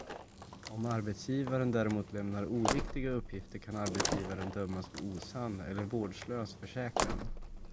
Om arbetsgivaren däremot lämnar oriktiga uppgifter kan arbetsgivaren dömas för osann eller vårdslös försäkran.